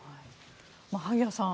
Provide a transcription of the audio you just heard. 萩谷さん